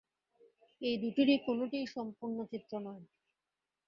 এই দুইটির কোনটিই সম্পূর্ণ চিত্র নয়।